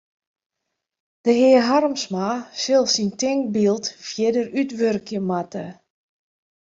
De hear Harmsma sil syn tinkbyld fierder útwurkje moatte.